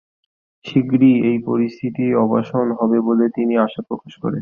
শিগগিরই এই পরিস্থিতির অবসান হবে বলে তিনি আশা প্রকাশ করেন।